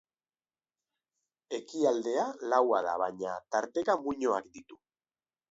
Ekialdea laua da, baina tarteka muinoak ditu.